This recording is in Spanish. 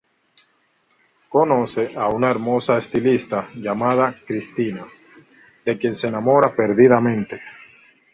Conoce a una hermosa estilista llamada Cristina, de quien se enamora perdidamente.